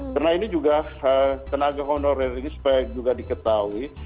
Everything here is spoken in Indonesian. karena ini juga tenaga honorer ini supaya juga diketahui